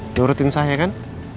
udah urutin saya kan